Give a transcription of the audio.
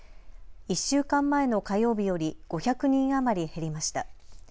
１週間前の火曜日より５００人余り減りました。